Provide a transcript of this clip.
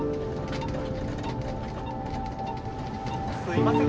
・すいません